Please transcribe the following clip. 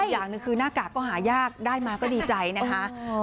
อย่างหนึ่งคือหน้ากากก็หายากได้มาก็ดีใจนะคะ